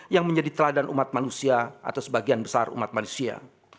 yang menjadi teladan umat manusia atau sebagian besar umat manusia